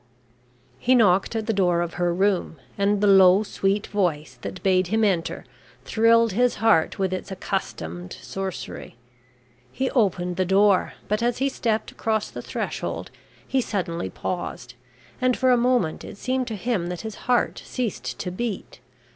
He knocked at the door of her room, and the low, sweet voice that bade him enter, thrilled his heart with its accustomed sorcery. He opened the door, but as he stepped across the threshold, he suddenly paused, and for a moment it seemed to him that his heart ceased to beat.